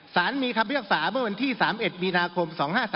สารมีคำพิพากษาเมื่อวันที่๓๑มีนาคม๒๕๓